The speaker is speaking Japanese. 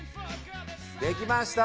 できました！